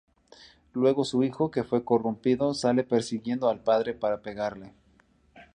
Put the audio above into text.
Luego su hijo, que fue corrompido, sale persiguiendo al padre para pegarle.